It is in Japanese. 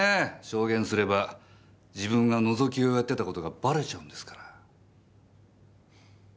証言すれば自分がのぞきをやってた事がバレちゃうんですから。